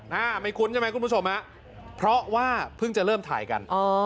ไม่คุ้นใช่ไหมคุณผู้ชมฮะเพราะว่าเพิ่งจะเริ่มถ่ายกันอ๋อ